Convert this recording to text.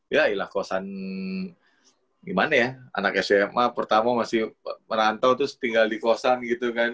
ya ilah kosan gimana ya anak sma pertama masih merantau terus tinggal di kosan gitu kan